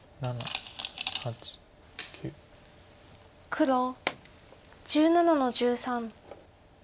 黒１７の十三。